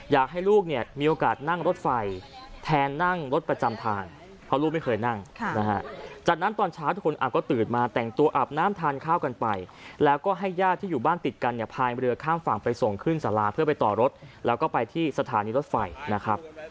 อยากให้ลูกเนี่ยมีโอกาสนั่งรถไฟแทนนั่งรถประจำทางเพราะลูกไม่เคยนั่งนะฮะจากนั้นตอนเช้าทุกคนอาบก็ตื่นมาแต่งตัวอาบน้ำทานข้าวกันไปแล้วก็ให้ญาติที่อยู่บ้านติดกันเนี่ยพายเรือข้ามฝั่งไปส่งขึ้นสาราเพื่อไปต่อรถแล้วก็ไปที่สถานีรถไฟนะครับ